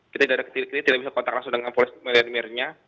kita tidak bisa kontak langsung dengan polis smerin mirnya